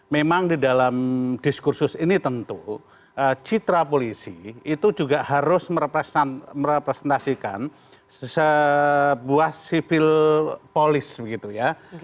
memang di dalam diskursus ini tentu citra polisi itu juga harus merepresentasikan sebuah sipil polis begitu ya